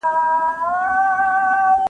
د دودونو زور د خلکو په باورونو کي نغښتی دی.